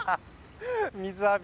水浴び。